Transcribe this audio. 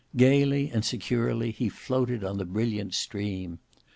Gaily and securely he floated on the brilliant stream.